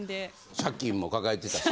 借金も抱えてたしね。